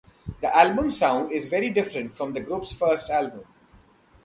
The album's sound is very different from the group's first album.